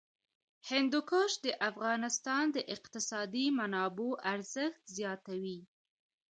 هندوکش د افغانستان د اقتصادي منابعو ارزښت زیاتوي.